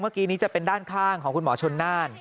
เมื่อกี้นี้จะเป็นด้านข้างของคุณหมอชนน่าน